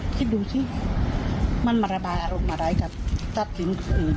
คิดดูสิมันมาระบายอารมณ์อะไรกับจัดกิน